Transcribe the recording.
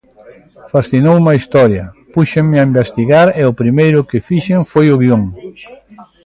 Fascinoume a historia, púxenme a investigar e o primeiro que fixen foi o guión.